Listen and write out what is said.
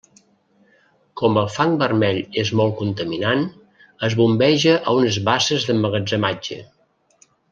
Com el fang vermell és molt contaminant, es bombeja a unes basses d’emmagatzematge.